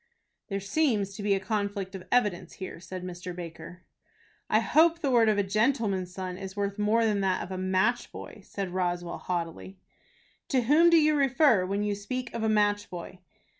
"There seems to be a conflict of evidence here," said Mr. Baker. "I hope the word of a gentleman's son is worth more than that of a match boy," said Roswell, haughtily. "To whom do you refer, when you speak of a match boy?"